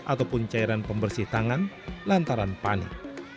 ataupun cairan pembersih tangan lantaran panik